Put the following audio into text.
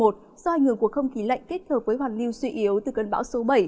do ảnh hưởng của không khí lạnh kết hợp với hoàn lưu suy yếu từ cơn bão số bảy